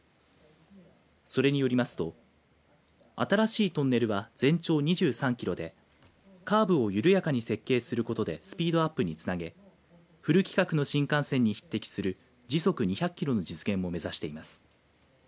それによりますと新しいトンネルは全長２３キロでカーブを緩やかに設計することでスピードアップにつなげフル規格の新幹線に匹敵する時速２００キロの実現を目指しています。